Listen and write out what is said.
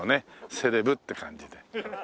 セレブって感じで。